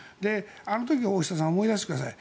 あの時、大下さん思い出してください。